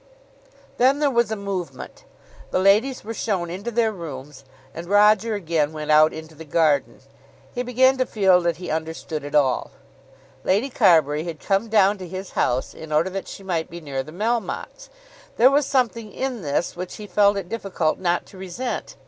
Then there was a movement. The ladies were shown into their rooms, and Roger again went out into the garden. He began to feel that he understood it all. Lady Carbury had come down to his house in order that she might be near the Melmottes! There was something in this which he felt it difficult not to resent.